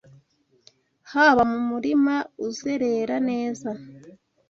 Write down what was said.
Haba mu murima uzerera neza